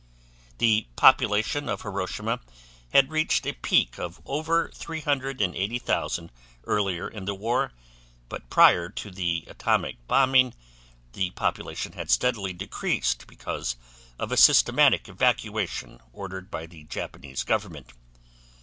The population of Hiroshima had reached a peak of over 380,000 earlier in the war but prior to the atomic bombing the population had steadily decreased because of a systematic evacuation ordered by the Japanese government.